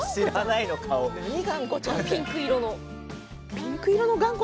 ピンク色の。